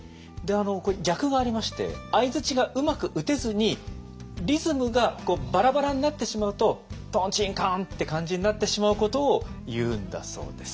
これ逆がありまして相槌がうまく打てずにリズムがバラバラになってしまうと「とんちんかん」って感じになってしまうことをいうんだそうです。